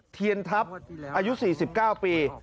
เทียนทัพอายุ๔๙ปี